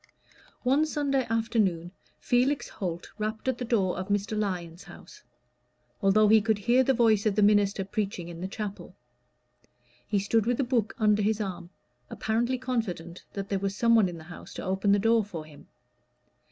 One Sunday afternoon Felix Holt rapped at the door of Mr. Lyon's house, although he could hear the voice of the minister preaching in the chapel. He stood with a book under his arm, apparently confident that there was someone in the house to open the door for him.